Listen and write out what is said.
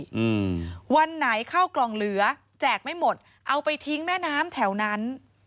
อืมวันไหนข้าวกล่องเหลือแจกไม่หมดเอาไปทิ้งแม่น้ำแถวนั้น